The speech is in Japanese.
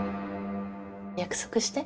約束して。